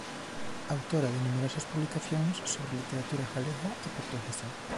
Autora de numerosas publicacións sobre literatura galega e portuguesa.